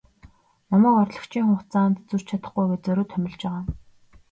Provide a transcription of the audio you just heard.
Намайг орлогчийн хугацаанд зөрж чадахгүй гээд зориуд томилж байгаа юм.